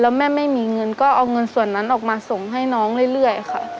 แล้วแม่ไม่มีเงินก็เอาเงินส่วนนั้นออกมาส่งให้น้องเรื่อยค่ะ